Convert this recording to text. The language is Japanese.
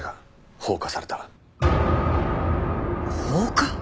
放火！？